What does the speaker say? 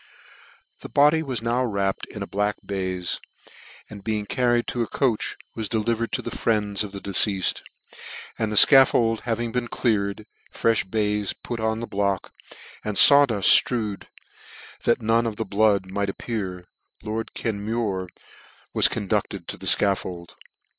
The body was now wrapped up in black baize s arid being carried to a coach, was delivered to the friends of the deceafed , and the fcafifold having been cleared, frefh baize put on the" block, and faw duft flrewed, that none of the blood might appear, lord Kenmure was conducted to the fcaffbld.